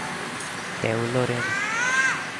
Theo e Lorena